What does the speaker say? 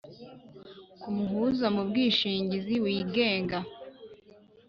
ku muhuza mu bwishingizi wigenga;